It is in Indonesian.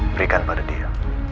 berikan pada dia